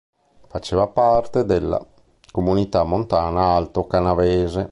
Faceva parte della Comunità montana Alto Canavese.